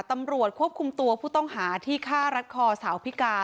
ตำรวจควบคุมตัวผู้ต้องหาที่ฆ่ารัดคอสาวพิกา